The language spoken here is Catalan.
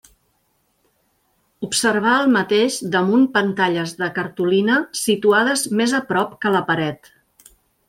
Observà el mateix damunt pantalles de cartolina situades més a prop que la paret.